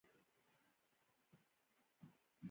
افغانستان د ښارونو په اړه مشهور روایتونه لري.